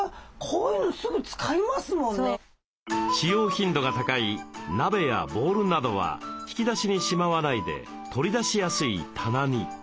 使用頻度が高い鍋やボウルなどは引き出しにしまわないで取り出しやすい棚に。